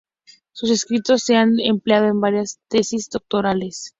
Sus escritos se han empleado en varias tesis doctorales.